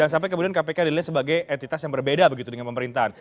jangan sampai kemudian kpk dinilai sebagai entitas yang berbeda begitu dengan pemerintahan